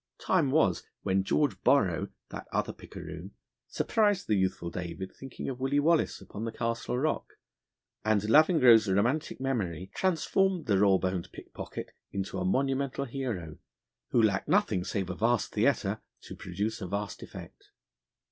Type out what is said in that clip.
Time was when George Borrow, that other picaroon, surprised the youthful David, thinking of Willie Wallace upon the Castle Rock, and Lavengro's romantic memory transformed the raw boned pickpocket into a monumental hero, who lacked nothing save a vast theatre to produce a vast effect.